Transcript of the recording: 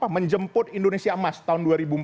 menjemput indonesia emas tahun dua ribu empat puluh lima